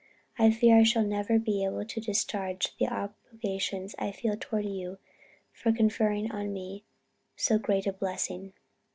I fear I shall never be able to discharge the obligations I feel toward you for conferring on me so great a blessing."